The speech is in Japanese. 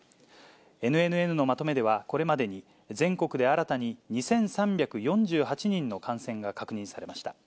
ＮＮＮのまとめでは、これまでに全国で新たに２３４８人の感染が確認されました。